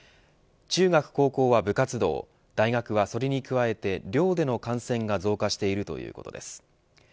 中学、高校は部活動大学はそれに加えて寮での感染が増加しているということです。